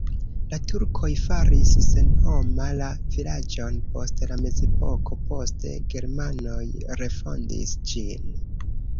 La turkoj faris senhoma la vilaĝon post la mezepoko, poste germanoj refondis ĝin.